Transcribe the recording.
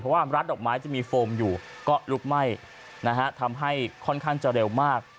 เพราะว่าร้านดอกไม้จะมีโฟมอยู่ก็ลุกไหม้นะฮะทำให้ค่อนข้างจะเร็วมาก